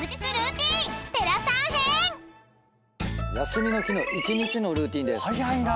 休みの日の一日のルーティンです。